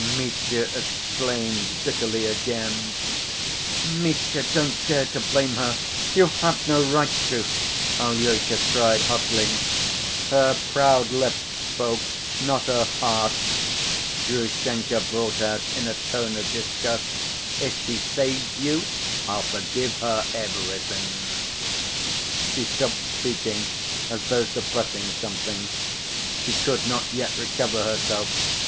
Mitya exclaimed bitterly again. "Mitya, don't dare to blame her; you have no right to!" Alyosha cried hotly. "Her proud lips spoke, not her heart," Grushenka brought out in a tone of disgust. "If she saves you I'll forgive her everything—" She stopped speaking, as though suppressing something. She could not yet recover herself.